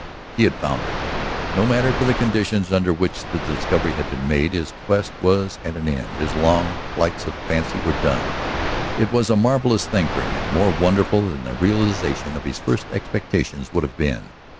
He had found her. No matter for the conditions under which the discovery had been made, his quest was at an end, his long flights of fancy were done. It was a marvelous thing for him, more wonderful than the realization of his first expectations would have been.